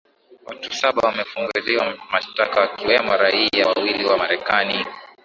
watu saba wamefunguliwa mashtaka wakiwemo raia wawili wa marekani